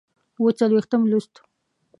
اووه څلوېښتم لوست